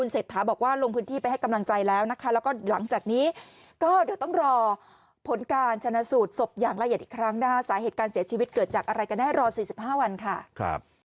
สอบอย่างละเอียดอีกครั้งหน้าสาเหตุการณ์เสียชีวิตเกิดจากอะไรกันนะรอ๔๕วันค่ะ